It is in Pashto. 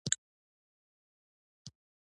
بلکې د دې لپاره چې په کورنیو شخړو کې دا ډله وکاروي